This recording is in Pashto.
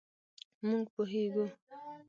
مونږ پوهیږو